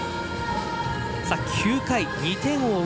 ９回、２点を追う